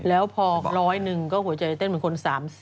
แล้วพอร้อยหนึ่งก็หัวใจเต้นเหมือนคน๓๐